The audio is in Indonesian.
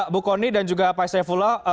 bu koni dan juga pak esayah fula